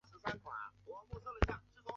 东急多摩川线营运的铁路线。